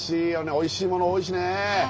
おいしいもの多いしね。